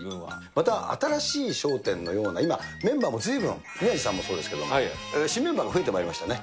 また新しい笑点のような、今、メンバーもずいぶん、宮治さんもそうですけど、新メンバーも増えてまいりましたね。